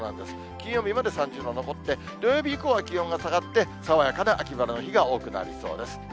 金曜日まで３０度残って、土曜日以降は気温が下がって、爽やかな秋晴れの日が多くなりそうです。